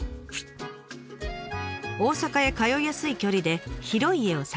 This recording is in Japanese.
大阪へ通いやすい距離で広い家を探した石郷岡さん。